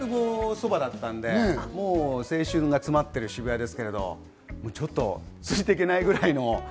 大学がそばだったので、青春が詰まってる渋谷ですけど、ちょっとついて行けないぐらいの。